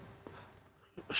satu kontrol atau pengawasan